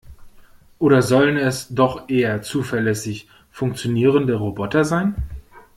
Oder sollen es doch eher zuverlässig funktionierende Roboter sein?